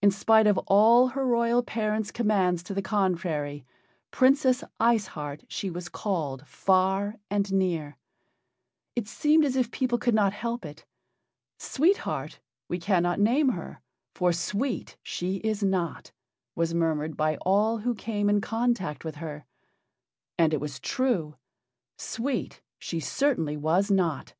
In spite of all her royal parents' commands to the contrary, "Princess Ice Heart" she was called far and near. It seemed as if people could not help it. "Sweet Heart we cannot name her, for sweet she is not," was murmured by all who came in contact with her. And it was true. Sweet she certainly was not.